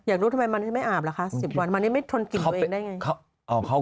อยากรู้ทำไมมันไม่อาบล่ะคะ๑๐วันมานี่ไม่ทนกลิ่นตัวเองได้ไง